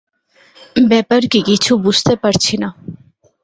ব্যাপার কী কিছু বুঝতে পারছি না।